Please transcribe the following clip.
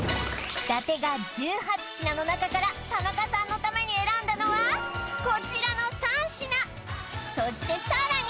伊達が１８品の中から田中さんのために選んだのはこちらの３品そしてさらに